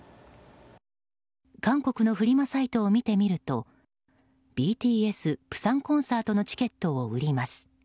韓国のフリマサイトを見てみるとＢＴＳ釜山コンサートのチケットを売ります。